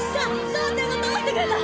総長が倒してくれた！